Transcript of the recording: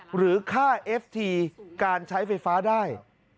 หรือค่าเอฟทีการใช้ไฟฟ้าได้